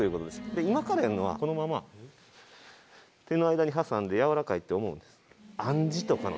今からやるのはこのまま手の間に挟んで「やわらかい」って思うんです。